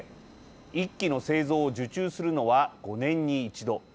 １機の製造を受注するのは５年に一度。